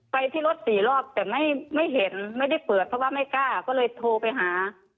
ไปที่รถสี่รอบแต่ไม่เห็นไม่ได้เปิดเพราะว่าไม่กล้าก็เลยโทรไปหา